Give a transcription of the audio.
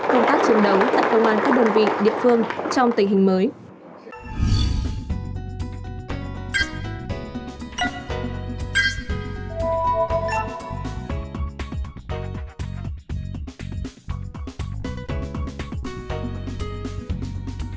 công tác chiến đấu tại công an các đơn vị địa phương trong tình hình mới